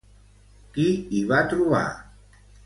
Qui hi va trobar?